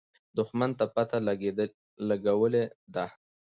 دښمن پته لګولې ده.